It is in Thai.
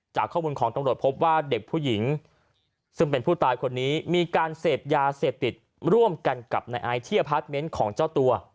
จากข้อมูลของตำรวจพบว่าเด็กผู้หญิงซึ่งเป็นผู้ตายคนนี้มีการเสพยาเสพติดร่วมกันกับนายไอซ์ที่อพาร์ทเมนต์ของเจ้าตัว